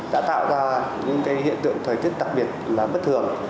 đã tạo ra những hiện tượng thời tiết đặc biệt là bất thường